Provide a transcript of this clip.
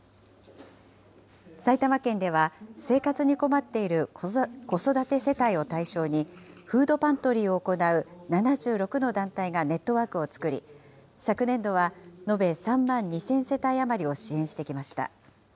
埼玉県では、生活に困っている子育て世帯を対象に、フードパントリーを行う７６の団体がネットワークを作り、昨年度は延べ３万２０００世帯余りを支援してきました。